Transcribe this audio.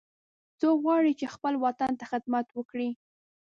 څوک غواړي چې خپل وطن ته خدمت وکړي